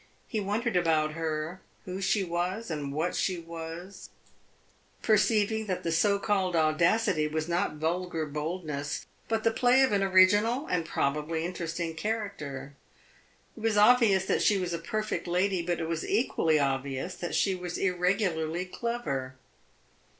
He wondered about her who she was, and what she was perceiving that the so called audacity was not vulgar boldness, but the play of an original and probably interesting character. It was obvious that she was a perfect lady, but it was equally obvious that she was irregularly clever.